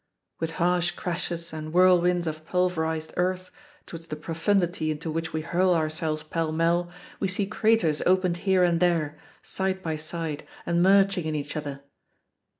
With harsh crashes and whirlwinds of pulverized earth, towards the profundity into which we hurl ourselves pell mell, we see craters opened here and there, side by side, and merging in each other.